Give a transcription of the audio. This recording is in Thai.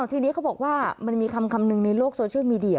ทีนี้เขาบอกว่ามันมีคำหนึ่งในโลกโซเชียลมีเดีย